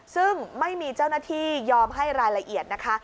ซึ่งไม่มีเจ้าหน้าที่ยอมให้รายละเอียดนะคะ